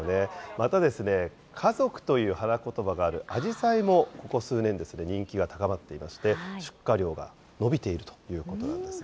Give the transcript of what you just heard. またですね、家族という花言葉があるあじさいもここ数年、人気が高まっていまして、出荷量が伸びているということなんですね。